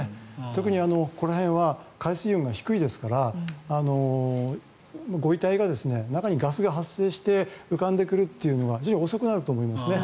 特にここら辺は海水温が低いですからご遺体が中にガスが発生して浮かんでくるというのは遅くなると思いますね。